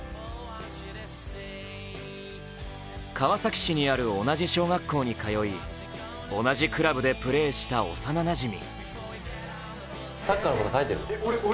川崎市にある同じ小学校に通い同じクラブでプレーした幼なじみ。